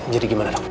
jadi gimana dok